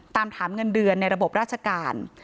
ถามเงินเดือนในระบบราชการ